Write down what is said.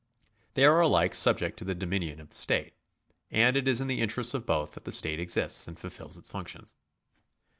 They are alike subject to the dominion of the state, and it is in the interests of both that the state exists and fulfils its functions.